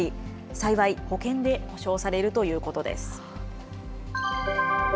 幸い保険で補償されるということです。